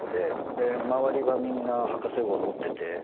で周りはみんな博士号持ってて。